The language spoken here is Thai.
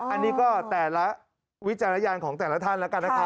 อันนี้ก็วิจารณญาณของแต่ละทัน